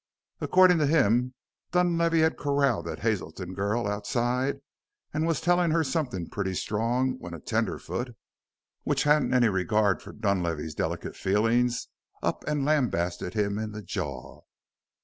Accordin' to him Dunlavey had corraled that Hazelton girl outside an' was tellin' her somethin' pretty strong when a tenderfoot, which hadn't any regard for Dunlavey's delicate feelin's, up an' lambasted him in the jaw!"